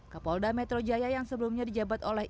kapolda metro jaya yang sebelumnya dijabat oleh